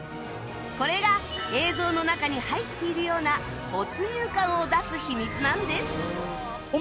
これが映像の中に入っているような没入感を出す秘密なんです